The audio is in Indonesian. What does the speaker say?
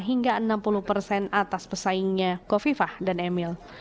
hingga enam puluh persen atas pesaingnya kofifah dan emil